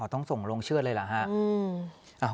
อ๋อต้องส่งโรงเชื่อเลยหรอฮะ